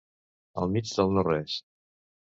Al mig del no res.